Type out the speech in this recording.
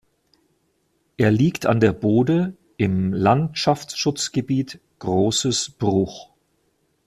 Er liegt an der Bode im Landschaftsschutzgebiet „Großes Bruch“.